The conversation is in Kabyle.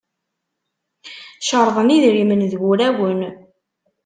Cerḍen idrimen d wurawen.